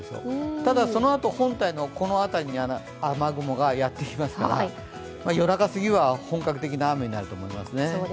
ただ、そのあと本体のこの辺りに雨雲がやってきますから、夜中すぎは本格的な雨になると思いますね。